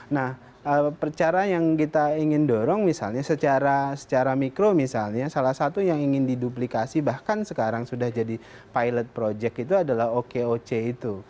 nah perkara yang kita ingin dorong misalnya secara mikro misalnya salah satu yang ingin diduplikasi bahkan sekarang sudah jadi pilot project itu adalah okoc itu